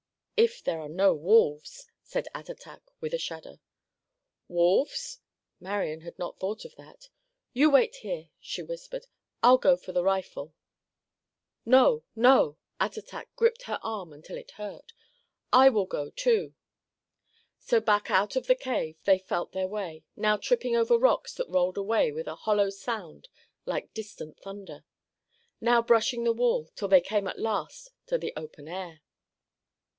"If there are no wolves," said Attatak with a shudder. "Wolves?" Marian had not thought of that. "You wait here," she whispered. "I'll go for the rifle." "No! No!" Attatak gripped her arm until it hurt. "I will go, too." So back out of the cave they felt their way, now tripping over rocks that rolled away with a hollow sound like distant thunder, now brushing the wall, till they came at last to the open air.